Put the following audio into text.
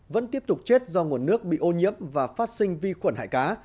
vẫn tiếp tục chết do nguồn nước bị ô nhiễm và phát sinh vi khuẩn hại cá